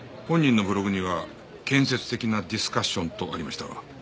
本人のブログには建設的なディスカッションとありましたが。